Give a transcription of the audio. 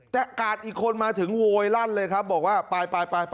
แต่กาดอีกคนมาถึงโวยลั่นเลยครับบอกว่าไป